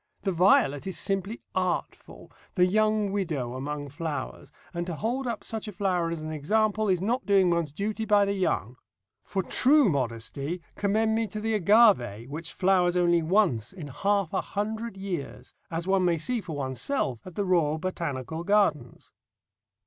The violet is simply artful, the young widow among flowers, and to hold up such a flower as an example is not doing one's duty by the young. For true modesty commend me to the agave, which flowers once only in half a hundred years, as one may see for oneself at the Royal Botanical Gardens.